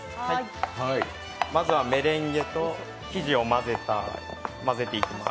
まずはメレンゲと生地を混ぜていきます。